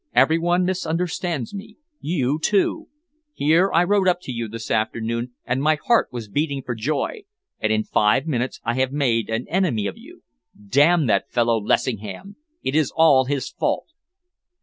Every one misunderstands me. You, too! Here I rode up to you this afternoon and my heart was beating for joy, and in five minutes I had made an enemy of you. Damn that fellow Lessingham! It is all his fault!"